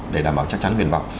để đảm bảo chắc chắn nguyện vọng